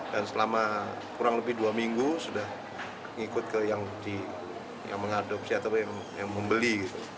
dan selama kurang lebih dua minggu sudah ngikut ke yang mengadopsi atau yang membeli